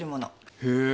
へえ。